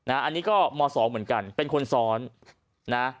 อันนี้ก็ม๒เหมือนกันเป็นคนซ้อนนะ